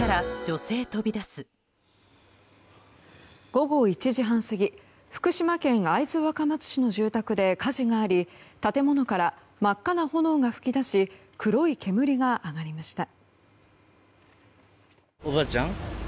午後１時半過ぎ福島県会津若松市の住宅で火事があり建物から真っ赤な炎が噴き出し黒い煙が上がりました。